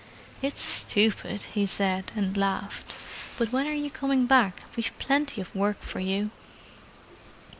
"It's stupid," he said, and laughed. "But when are you coming back? We've plenty of work for you."